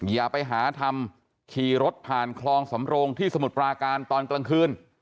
อย่าไปหาทำขี่รถผ่านคลองสำโรงที่สมุทรปราการตอนกลางคืน